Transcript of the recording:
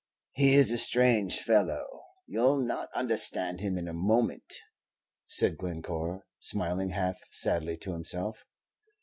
"He is a strange fellow; you'll not understand him in a moment," said Glencore, smiling half sadly to himself.